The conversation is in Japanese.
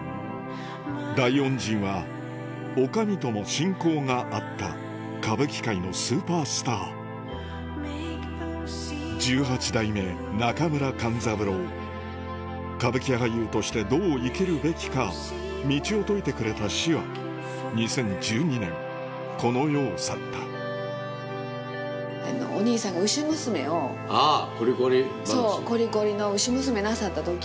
大恩人は女将とも親交があった歌舞伎界のスーパースター歌舞伎俳優としてどう生きるべきか道を説いてくれた師は２０１２年この世を去ったあ『狐狸狐狸ばなし』。